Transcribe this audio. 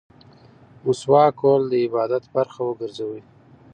مسواک وهل د عبادت برخه وګرځوئ.